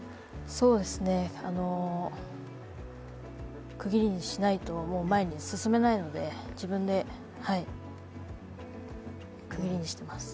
そうですね、区切りにしないと前に進めないので自分で区切りにしています。